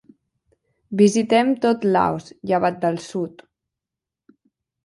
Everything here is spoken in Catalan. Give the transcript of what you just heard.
Visitem tot Laos, llevat del sud.